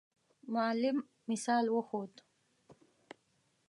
معلم مثال وښود.